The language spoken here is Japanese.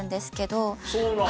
そうなんだ。